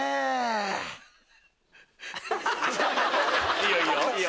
いいよいいよ！